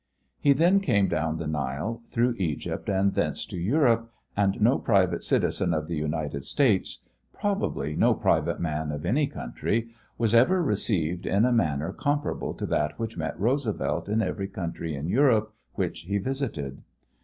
He then came down the Nile through Egypt and thence to Europe, and no private citizen of the United States probably no private man of any country was ever received in a manner comparable to that which met Roosevelt in every country in Europe which he visited.